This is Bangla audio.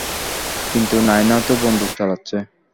কিন্তু নায়না তো বন্দুক চালাচ্ছে।